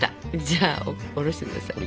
じゃあおろして下さい。